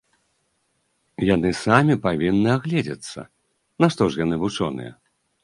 Яны самі павінны агледзіцца, нашто ж яны вучоныя?